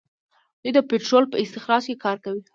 دوی د پټرولو په استخراج کې کار کوي.